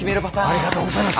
ありがとうございます。